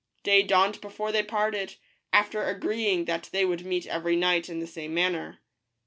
Day dawned before they parted, after agreeing that they would meet every night in the same manner.